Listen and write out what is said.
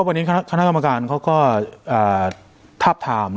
วันนี้คณะอาทารย์อำการเขาก็ทับทาม